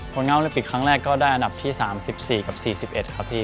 งานโอลิมปิกครั้งแรกก็ได้อันดับที่๓๔กับ๔๑ครับพี่